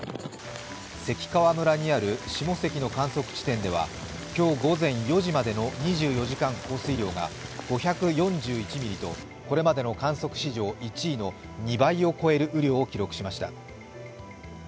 関川村にある下関の観測地点では今日午前４時までの２４時間降水量が５４１ミリと、これまでの観測史上１位の２倍を超える雨量を観測しました。